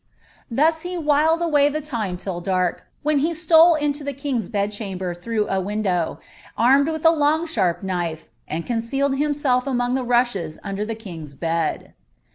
Thns he whiW away the time till daik, when he stole ilie king's hed chamber through a window, armed with a long sharp , and concealed himself among the rushes under the king's bed.